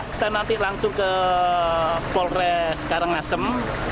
kita nanti langsung ke polres karangasem